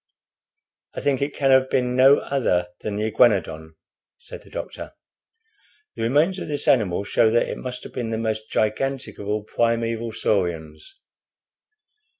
"I think it can have been no other than the Iguanodon," said the doctor. "The remains of this animal show that it must have been the most gigantic of all primeval saurians.